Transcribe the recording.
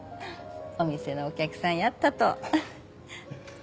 お店のお客さんやったとははっ。